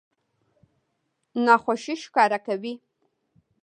ناخوښي ښکاره کوي.